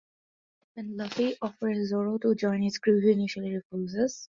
When Luffy offers Zoro to join his crew, he initially refuses.